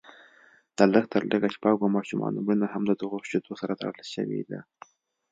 د لږ تر لږه شپږو ماشومانو مړینه هم ددغو شیدو سره تړل شوې ده